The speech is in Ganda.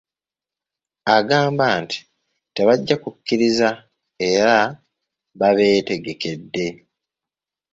Agamba nti tebajja kukikkiriza era nga babeetegekedde.